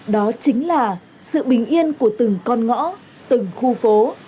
đó chính là sự bình yên của từng con ngõ từng khu phố